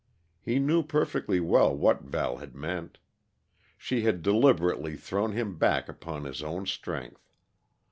He knew perfectly well what Val had meant. She had deliberately thrown him back upon his own strength.